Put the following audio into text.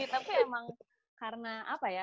tapi emang karena apa ya